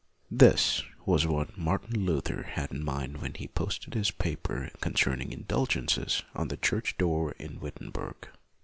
' This was what Martin Luther had in mind when he posted his paper concern ing indulgences on the church door in Wittenberg.